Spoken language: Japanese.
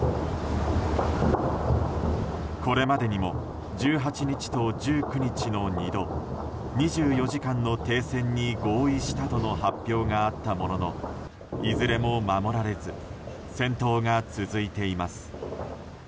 これまでにも１８日と１９日の２度２４時間の停戦に合意したとの発表があったもののいずれも守られず戦闘が続いています。